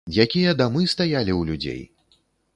Якія дамы стаялі ў людзей!